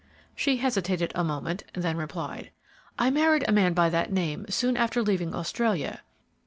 She hesitated a moment, then replied: "I married a man by that name soon after leaving Australia."